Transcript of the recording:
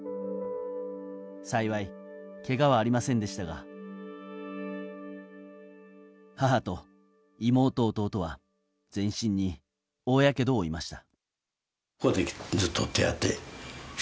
幸い、けがはありませんでしたが母と妹、弟は全身に大やけどを負いました。